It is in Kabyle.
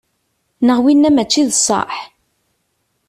Neɣ wina mačči d sseḥ?